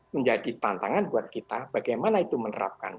menjadi tantangan buat kita bagaimana itu menerapkan